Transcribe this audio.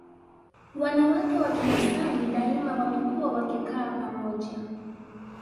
Wanawake wa Kimasai daima wamekuwa wakikaa pamoja